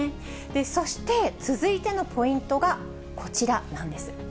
そして続いてのポイントがこちらなんです。